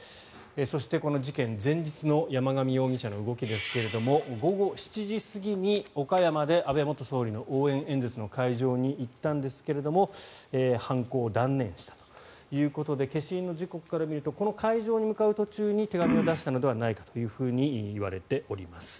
そして、この事件前日の山上容疑者の動きですが午後７時過ぎに岡山で安倍元総理の応援演説の会場に行ったんですが犯行を断念したということで消印の時刻から見るとこの会場に向かう途中に手紙を出したのではないかといわれております。